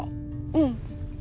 うん。